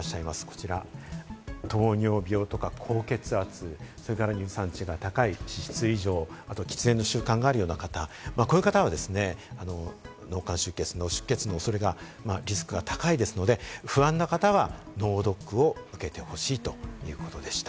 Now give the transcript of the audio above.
こちら、糖尿病とか高血圧、それから尿酸値が高い脂質異常、そして喫煙の習慣がある方、こういう方はですね、脳幹出血、脳出血の恐れが、リスクが高いですので、不安な方は脳ドックを受けてほしいということでした。